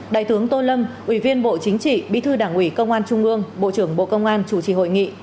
đại tướng tô lâm ủy viên bộ chính trị bí thư đảng ủy công an trung ương bộ trưởng bộ công an chủ trì hội nghị